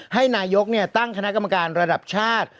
ให้นายกตั้งคณะกรรมการระดับชาติ